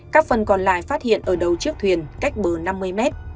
các phần còn lại phát hiện ở đầu chiếc thuyền cách bờ năm mươi mét